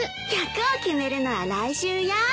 役を決めるのは来週よ。